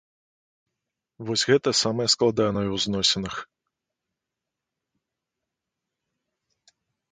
Вось гэта самае складанае ў зносінах.